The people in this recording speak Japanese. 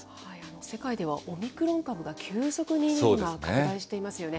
世界ではオミクロン株が急速に今、拡大していますよね。